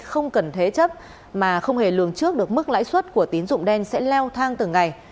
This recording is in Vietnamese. không cần thế chấp mà không hề lường trước được mức lãi suất của tín dụng đen sẽ leo thang từng ngày